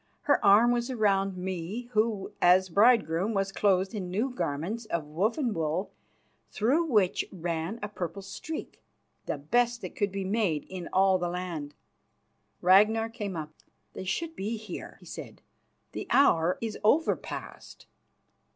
Her arm was round me, who, as bridegroom, was clothed in new garments of woven wool through which ran a purple streak, the best that could be made in all the land. Ragnar came up. "They should be here," he said. "The hour is over past."